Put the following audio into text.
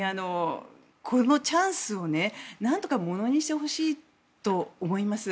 このチャンスをなんとかものにしてほしいと思います。